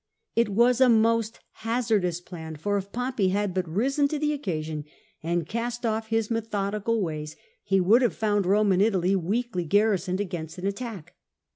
It was a most hazardous plan, for if Pompey had but risen to the occasion and cast off his methodical ways, he would have found Rome and Italy weakly garrisoned against an attack.